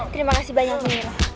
terima kasih banyak nyiiroh